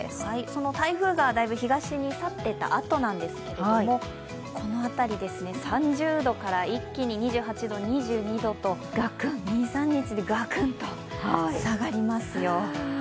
その台風がだいぶ東に去っていったあとなんですがこの辺り、３０度から一気に２８度、２２度と、２３日で、がくんと下がりますよ